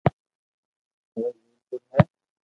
ھير مير پور ھي